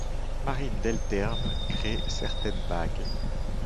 Marine Delterme crée certaines bagues.